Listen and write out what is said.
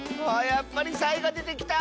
やっぱりサイがでてきた！